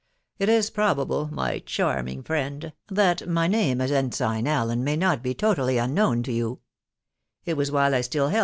It is probable, my charming friend, that my name as Ensign Allen may not he totally unknown to you It was vA\\\fc Y *>X\ V3&.